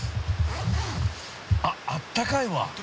あっあったかいわ。